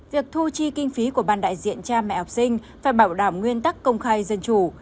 việc thu chi kinh phí của ban đại diện cha mẹ học sinh phải bảo đảm nguyên tắc công khai dân chủ